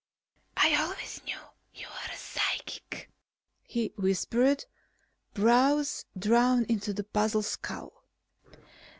"I always knew you were psychic," he whispered, brows drawn into a puzzled scowl.